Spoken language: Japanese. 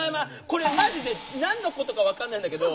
これマジで何のことか分かんないんだけど。